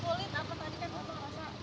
kulit apa tadi kan